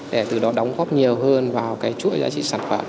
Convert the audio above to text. để từ đó đóng góp nhiều hơn